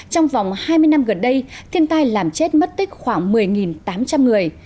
trong vòng hai mươi năm gần đây thiên tai làm chết mất tích khoảng một mươi tám trăm linh người